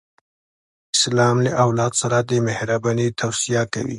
اسلام له اولاد سره د مهرباني توصیه کوي.